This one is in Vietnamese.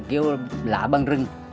kêu lá bằng rừng